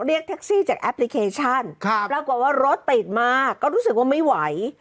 เรียกแท็กซี่จากแอปพลิเคชันปรากฏว่ารถติดมาก็รู้สึกว่าไม่ไหว